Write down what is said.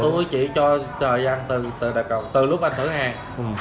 tôi chỉ cho thời gian từ đặt cọc từ lúc anh thử hàng